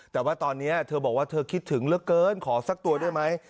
แต่ว่าตอนนี้เธอบอกว่าเธอคิดถึงเหลือเกินขอสักตัวได้ไหม